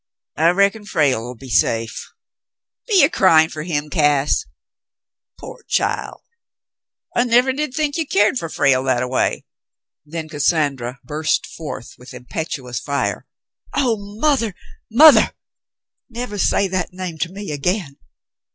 I reckon Frale'll be safe. Be ye cryin' fer him, Cass ? Pore child ! I nevah did think you keered fer Frale that a way." Then Cassandra burst forth with impetuous fire. "Oh, mother, mother ! Never say that name to me again.